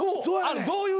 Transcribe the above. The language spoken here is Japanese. どういう。